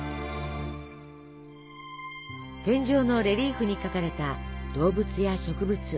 天井のレリーフに描かれた動物や植物。